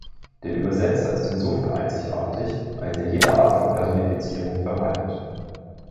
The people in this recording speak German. Der Übersetzer ist insofern einzigartig, als er jede Art von Personifizierung vermeidet.